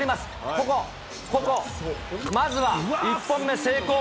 ここ、ここ、まずは１本目成功。